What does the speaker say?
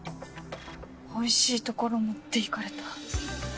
おいしいところ持っていかれた。